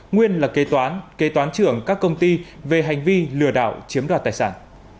nguyên là kế toán kế toán trưởng các công ty về hành vi lừa đảo chiếm đoạt tài sản